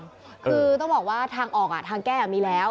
คือต้องบอกว่าทางออกทางแก้มีแล้ว